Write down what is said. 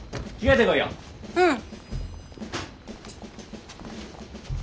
うん。